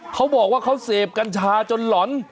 เขาบอกว่าเขาเสพกัญชาจนหล่อน